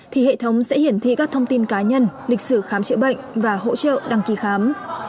thì hệ thống sẽ hiển thị các thông tin cá nhân lịch sử khám chữa bệnh và hỗ trợ đăng ký khám